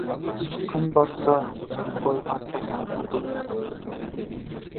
Күн батса, қойға соқпақ көп.